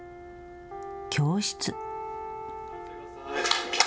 教室。